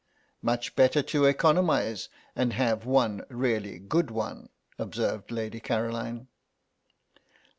"Much better to economise and have one really good one," observed Lady Caroline.